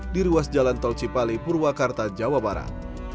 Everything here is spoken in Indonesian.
di ruas jalan tol cipali purwakarta jawa barat